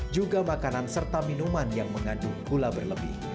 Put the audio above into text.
juga makanan serta minuman yang mengandung gula berlebih